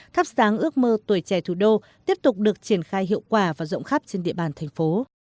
thắp sáng ước mơ tuổi trẻ thủ đô tiếp tục được triển khai hiệu quả và rộng khắp trên địa bàn thành phố